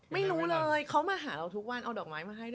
ไม่รู้เลยเขามาหาเราทุกวันเอาดอกไม้มาให้เลย